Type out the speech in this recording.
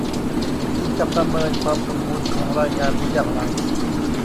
คุณจะประเมินความสมบูรณ์ของรายงานนี้อย่างไร